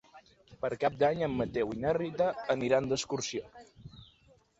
Per Cap d'Any en Mateu i na Rita aniran d'excursió.